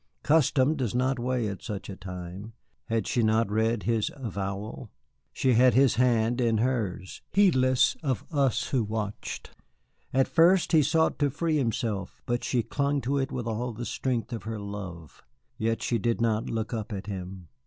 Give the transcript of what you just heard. Custom does not weigh at such a time. Had she not read his avowal? She had his hand in hers, heedless of us who watched. At first he sought to free himself, but she clung to it with all the strength of her love, yet she did not look up at him.